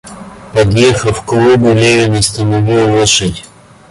Подъехав к лугу, Левин остановил лошадь.